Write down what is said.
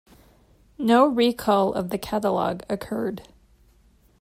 No recall of the catalog occurred.